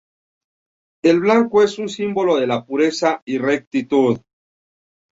El blanco es un símbolo de la pureza y rectitud.